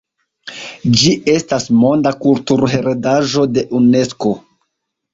Ĝi estas Monda Kulturheredaĵo de Unesko.